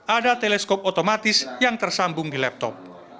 ada teleskop otomatis yang tersambung di laptop